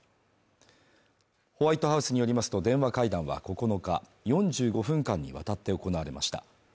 ホワイトハウスによりますと電話会談は９日４５分間にわたって行われました。